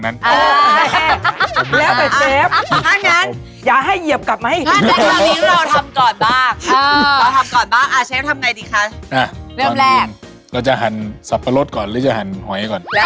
ให้เลือกให้เลือกเอาขนออกจากหอยก่อนครับเอาขนออกจากหอยก่อน